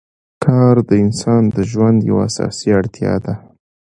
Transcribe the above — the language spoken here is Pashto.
کار د انسان د ژوند یوه اساسي اړتیا ده